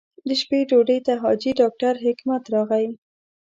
د شپې ډوډۍ ته حاجي ډاکټر حکمت راغی.